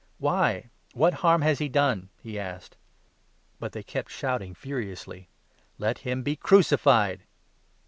" Why, what harm has he done ?" he asked. But they kept shouting furiously: "Let him be crucified